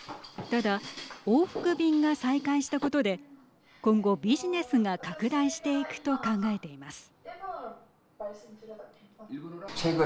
ただ、往復便が再開したことで今後、ビジネスが拡大していくと考えています。